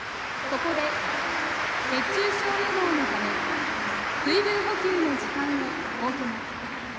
ここで熱中症予防のため水分補給の時間を設けます。